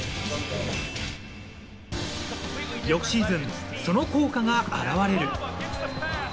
翌シーズン、その効果が現れる。